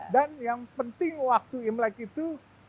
dan yang penting waktu imlek itu